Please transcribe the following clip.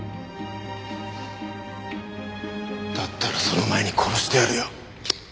だったらその前に殺してやるよ。